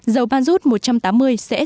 dầu ban rút một trăm tám mươi sẽ